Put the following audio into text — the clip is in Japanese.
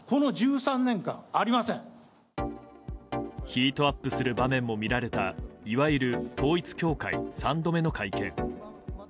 ヒートアップする場面も見られたいわゆる統一教会３度目の会見。